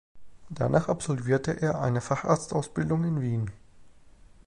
Danach absolvierte er eine Facharztausbildung in Wien.